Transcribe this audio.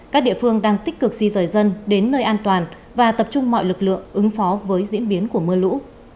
các địa phương đang tích cực di rời dân đến nơi an toàn và tập trung mọi lực lượng ứng phó với diễn biến của mưa lũ